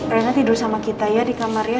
rena tidur sama kita ya di kamar ya